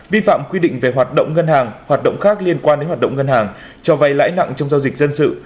vi phạm quy định về hoạt động ngân hàng hoạt động khác liên quan đến hoạt động ngân hàng cho vay lãi nặng trong giao dịch dân sự